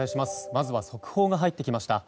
まずは速報が入ってきました。